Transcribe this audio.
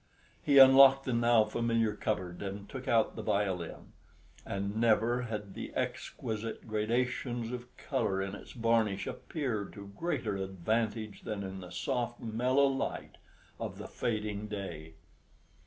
He unlocked the now familiar cupboard and took out the violin, and never had the exquisite gradations of colour in its varnish appeared to greater advantage than in the soft mellow light of the fading day.